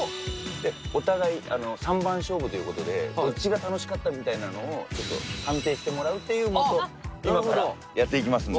お互い３番勝負という事でどっちが楽しかったみたいなのをちょっと判定してもらうっていうもと今からやっていきますんで。